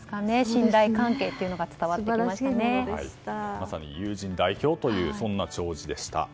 信頼関係がまさに友人代表というそんな弔辞でした。